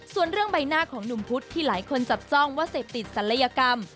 ส่วนเรื่องใบหน้าของหนุ่มพุธที่หลายคนจับจ้องว่าเสพติดศัลยกรรม